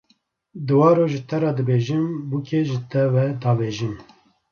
Diwaro ji te re dibêjim, bûkê ji te ve davêjim